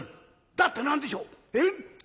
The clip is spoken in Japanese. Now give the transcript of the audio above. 「だって何でしょうえ？